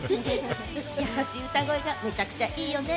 優しい歌声がめちゃくちゃいいよね。